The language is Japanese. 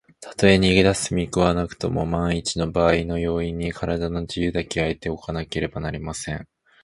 たとえ逃げだす見こみはなくとも、まんいちのばあいの用意に、からだの自由だけは得ておかねばなりません。